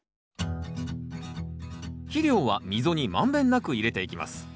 肥料は溝に満遍なく入れていきます。